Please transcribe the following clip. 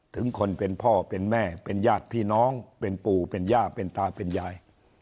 ถึงคนเป็นพ่อเป็นแม่เป็นญาติพี่น้องเป็นปู่เป็นย่าเป็นตาเป็นยาย